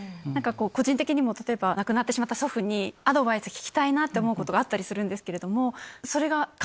個人的にも例えば亡くなってしまった祖父にアドバイス聞きたいなって思うことがあったりするんですけれども。